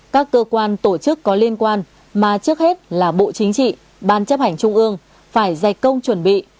các cơ quan tổ chức có liên quan mà trước hết là bộ chính trị ban chấp hành trung ương phải dày công chuẩn bị